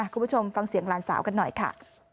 คุณผู้ชมฟังเสียงหลานสาวกันหน่อยค่ะ